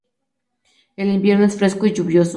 El invierno es fresco y lluvioso.